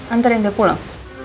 anterin dia pulang